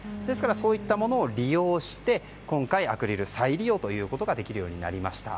そういったものを利用して今回アクリル再利用ということができるようになりました。